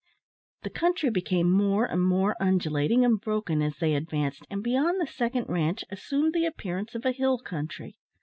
The country became more and more undulating and broken as they advanced, and beyond the second ranche assumed the appearance of a hill country.